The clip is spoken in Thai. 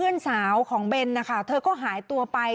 เพื่อนสาวของเบนนะคะเธอก็หายตัวไป